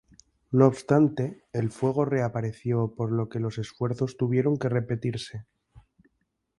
No obstante, el fuego reapareció por lo que los esfuerzos tuvieron que repetirse.